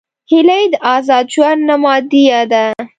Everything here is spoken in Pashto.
هیلۍ د آزاد ژوند نمادیه ده